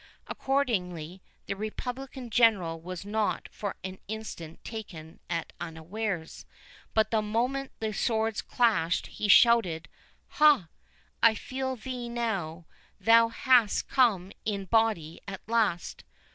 Accordingly, the Republican General was not for an instant taken at unawares, but the moment the swords clashed, he shouted, "Ha! I feel thee now, thou hast come in body at last.